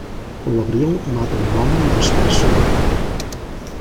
L'abril, mata un home i després se'n riu.